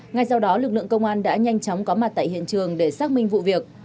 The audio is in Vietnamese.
ngay sau đó lực lượng công an đã nhanh chóng có mặt tại hiện trường để xác minh vụ việc